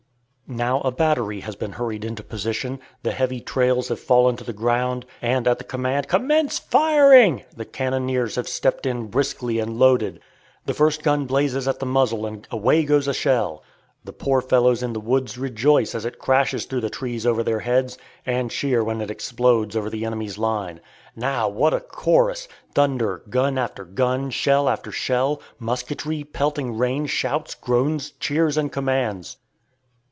Now a battery has been hurried into position, the heavy trails have fallen to the ground, and at the command "Commence firing!" the cannoniers have stepped in briskly and loaded. The first gun blazes at the muzzle and away goes a shell. The poor fellows in the woods rejoice as it crashes through the trees over their heads, and cheer when it explodes over the enemy's line. Now, what a chorus! Thunder, gun after gun, shell after shell, musketry, pelting rain, shouts, groans, cheers, and commands!